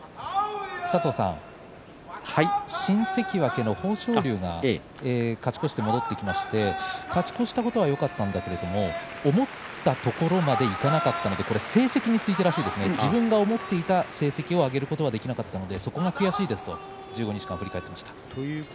新関脇の豊昇龍が勝ち越して戻ってきまして勝ち越したことはよかったんですけど思ったところまでいかなかったので成績について自分が思っていた成績を挙げることができなかったのでそこが悔しいですと１５日間を振り返っていました。